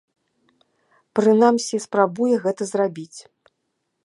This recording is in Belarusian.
Прынамсі, спрабуе гэта зрабіць.